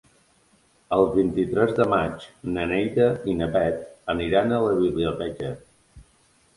El vint-i-tres de maig na Neida i na Bet aniran a la biblioteca.